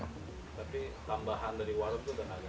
tapi tambahan dari warung itu tenaga